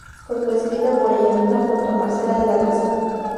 Fue co-escrita por ella misma junto a Marcela de La Garza.